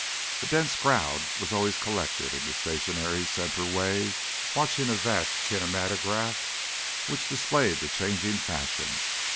A dense crowd was always collected in the stationary central way watching a vast kinematograph which displayed the changing fashion.